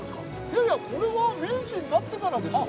いやいやこれは明治になってからでしょ？